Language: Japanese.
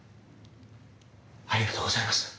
ありがとうございます。